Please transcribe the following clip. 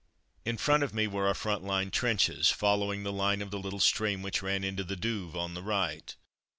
In front of me were our front line trenches, following the line of the little stream which ran into the Douve on the right.